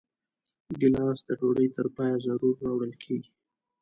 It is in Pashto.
ګیلاس د ډوډۍ تر پایه ضرور راوړل کېږي.